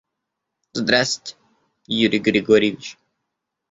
Здрасте, Юрий Григорьевич.